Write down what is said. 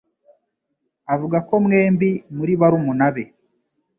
avuga ko mwembi muri barumuna be.